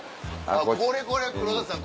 これこれ黒田さん